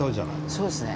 そうですね。